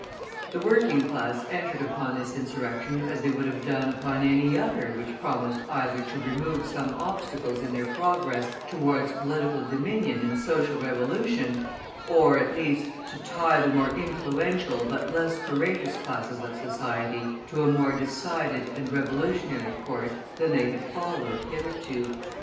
The working class entered upon this insurrection as they would have done upon any other which promised either to remove some obstacles in their progress towards political dominion and social revolution, or, at least, to tie the more influential but less courageous classes of society to a more decided and revolutionary course than they had followed hitherto.